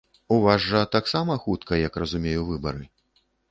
У вас жа таксама хутка, як разумею, выбары.